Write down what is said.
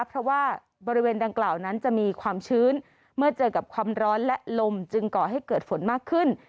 เพราะว่าบริเวณดังกล่าวนั้นจะมีความชื้นเมื่อเจอกับความร้อนและลมจึงก่อให้เกิดฝนมากขึ้น